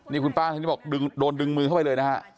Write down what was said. นี่คุณป้าท่านนี้บอกโดนดึงมือเข้าไปเลยนะฮะ